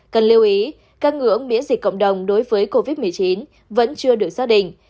cần lưu ý các ngưỡng miễn dịch cộng đồng đối với covid một mươi chín vẫn chưa được xác định